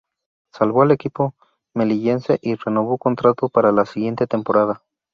Salvó al equipo melillense y renovó contrato para la siguiente temporada.